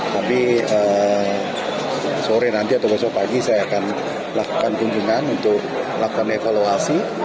tapi sore nanti atau besok pagi saya akan lakukan kunjungan untuk lakukan evaluasi